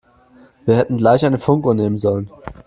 Wir hätten gleich eine Funkuhr nehmen sollen.